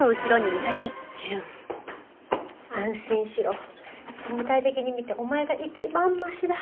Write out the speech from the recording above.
純安心しろ相対的に見てお前が一番ましだ。